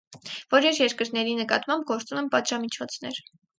Որոշ երկրների նկատմամբ գործում են պատժամիջոցներ։